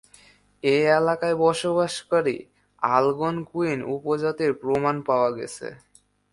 এই এলাকায় বসবাসকারী আলগোনকুইন উপজাতির প্রমাণ পাওয়া গেছে।